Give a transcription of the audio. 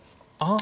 あ。